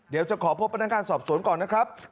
เดี๋ยวจะขอพบพนักงานสอบสวนก่อนนะครับ